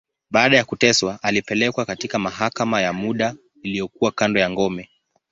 Baada ya kuteswa, alipelekwa katika mahakama ya muda, iliyokuwa kando ya ngome.